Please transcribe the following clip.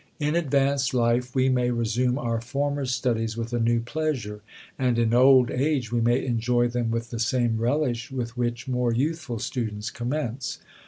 In advanced life we may resume our former studies with a new pleasure, and in old age we may enjoy them with the same relish with which more youthful students commence.